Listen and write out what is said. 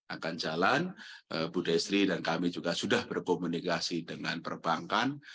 akan jalan bu destri dan kami juga sudah berkomunikasi dengan perbankan